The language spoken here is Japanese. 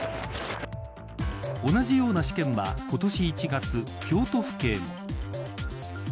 同じような試験は今年１月、京都府警も。